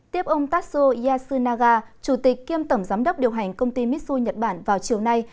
tiếp ông tatsu yasunaga chủ tịch kiêm tổng giám đốc điều hành công ty mitsui nhật bản vào chiều nay